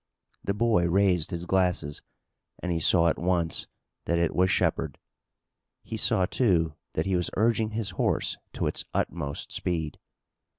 The boy raised his glasses, and he saw at once that it was Shepard. He saw, too, that he was urging his horse to its utmost speed.